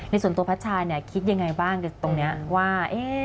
ส่วนตัวพัชชาเนี่ยคิดยังไงบ้างตรงนี้ว่า